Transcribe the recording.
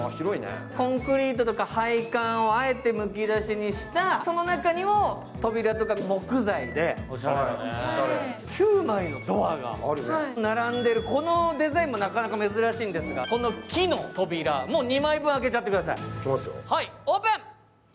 コンクリートとか配管をあえてむき出しにしたその中にも扉とか木材で、９枚のドアが並んでる、このデザインもなかなか珍しいんですが、この木の扉、２枚分、開けちゃってください。